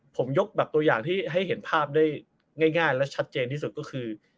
ผมยกแบบตัวอย่างที่ให้เห็นภาพได้ง่ายและชัดเจนที่สุดก็คือ